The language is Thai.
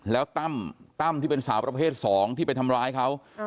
แล้วตั้มที่เป็นสาวประเภท๒ที่ไปทำร้ายเขา